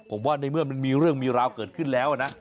ผมว่าในเมื่อมันมีเรื่องมีราวเกิดขึ้นแล้วนะ